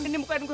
ini bukain gue